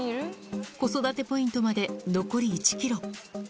子育てポイントまで、残り１キロ。